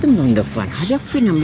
ustadz gak ada apa apa